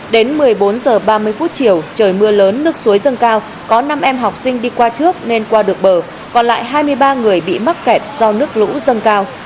đến một mươi bốn h ba mươi phút chiều trời mưa lớn nước suối dâng cao có năm em học sinh đi qua trước nên qua được bờ còn lại hai mươi ba người bị mắc kẹt do nước lũ dâng cao